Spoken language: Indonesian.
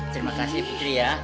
terima kasih putri ya